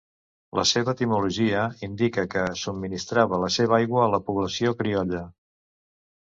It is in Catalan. La seva etimologia indica que subministrava la seva aigua a la població criolla.